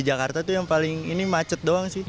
jakarta tuh yang paling ini macet doang sih